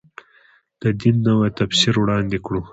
د دین نوی تفسیر وړاندې کړو.